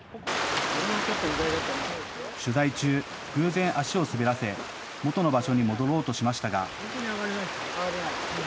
取材中、偶然足を滑らせもとの場所に戻ろうとしましたが。